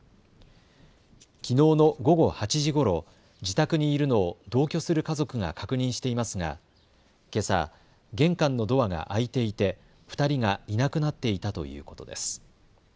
きのうの午後８時ごろ自宅にいるのを同居する家族が確認していますがけさ玄関のドアが開いていて２人がいなくなっていたということです。